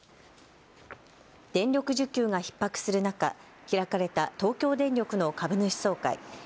電力需給がひっ迫する中、開かれた東京電力の株主総会。